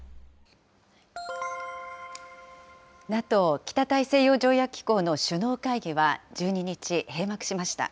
ＮＡＴＯ・北大西洋条約機構の首脳会議は１２日、閉幕しました。